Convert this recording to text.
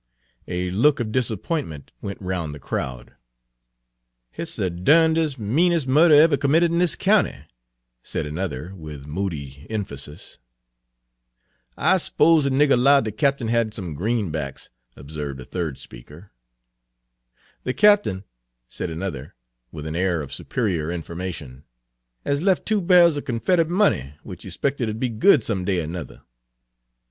A look of disappointment went round the crowd. "Hit 's the durndes', meanes' murder ever committed in this caounty," said another, with moody emphasis. "I s'pose the nigger 'lowed the Cap'n had some greenbacks," observed a third speaker. "The Cap'n," said another, with an air of superior information, "has left two bairls of Confedrit money, which he 'spected 'ud be good some day er nuther."